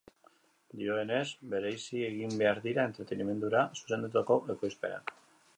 Dioenez, bereizi egin behar dira entretenimendura zuzendutako ekoizpenak.